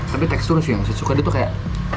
tapi teksturnya sih yang saya suka di situ kayak